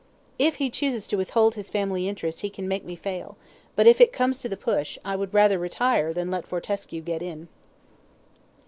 If he chooses to withhold his family interest he can make me fail; but if it comes to the push, I would rather retire than let Fortescue get in."